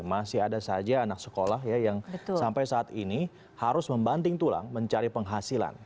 masih ada saja anak sekolah yang sampai saat ini harus membanting tulang mencari penghasilan